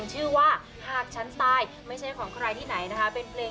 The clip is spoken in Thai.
ให้ฉันไม่มีโอกาสตอบเธออีกต่อไป